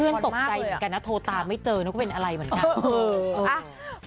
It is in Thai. เพื่อนตกใจเหมือนกันนะโทรตามไม่เจอก็เป็นอะไรเหมือนกัน